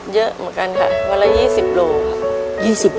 เยอะเหมือนกันค่ะวันละ๒๐โลค่ะ